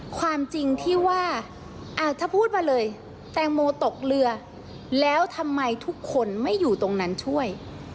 ความจริงที่ว่าถ้าพูดมาเลยแตงโมตกเรือแล้วทำไมทุกคนไม่อยู่ตรงนั้นช่วย